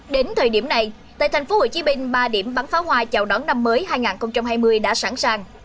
đến thời điểm này tại tp hcm ba điểm bắn pháo hoa chào đón năm mới hai nghìn hai mươi đã sẵn sàng